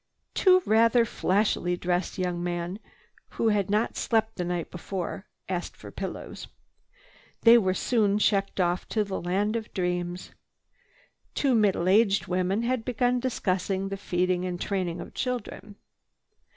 Two rather flashily dressed young men, who had not slept the night before, asked for pillows. They were soon checked off to the land of dreams. Two middle aged women began discussing the feeding and training of children.